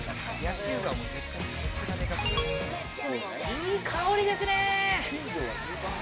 いい香りですね。